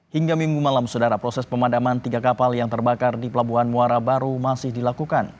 hingga minggu malam saudara proses pemadaman tiga kapal yang terbakar di pelabuhan muara baru masih dilakukan